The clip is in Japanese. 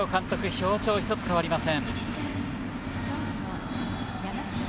表情一つ変わりません。